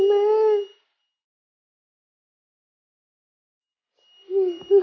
maksudnya mama pengen